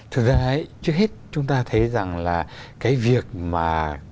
thực ra trước hết chúng ta thấy rằng là cái việc mà